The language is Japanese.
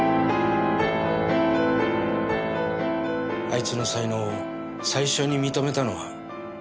あいつの才能を最初に認めたのは私だった。